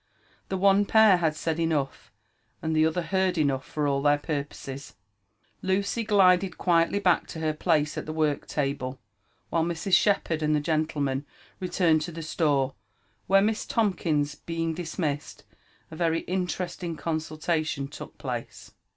The one pair had said enough, and the other heard enough for all their purposes. Lucy glided quickly back to her place at the work table, while Mrs. Shepherd and the gentlemen returned to the store, where 866 UJm AND ADVENTURM OP Mm TomkiAS beiog diamuied, a Tery interesting eoDioUalioa took place.